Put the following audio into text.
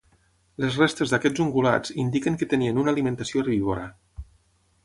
Les restes d'aquests ungulats indiquen que tenien una alimentació herbívora.